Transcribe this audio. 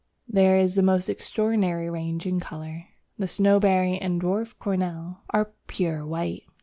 ] There is the most extraordinary range in colour. The Snowberry and Dwarf Cornel are pure white.